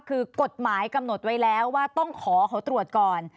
คือกฎหมายกำหนดไว้แล้วว่าต้องขอเขาตรวจก่อน